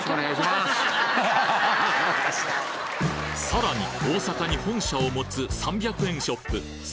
さらに大阪に本社を持つ３００円ショップ